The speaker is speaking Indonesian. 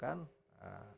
saya datang melaporkan